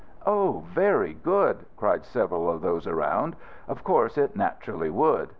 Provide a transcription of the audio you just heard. '" "Oh, very good!" cried several of those around, "of course it naturally would.